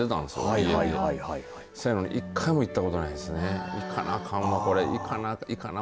せやのにオーケストラ１回も行ったことないですね。